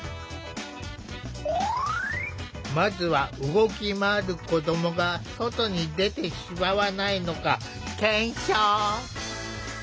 まずは動き回る子どもが外に出てしまわないのか検証。